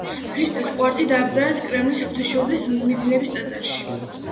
ქრისტეს კვართი დააბრძანეს კრემლის ღვთისმშობლის მიძინების ტაძარში.